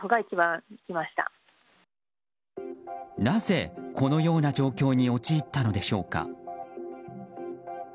なぜ、このような状況に陥ったのでしょうか。